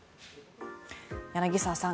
柳澤さん